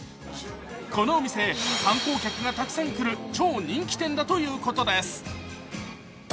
このお店、観光客がたくさん来る超人気店だということです。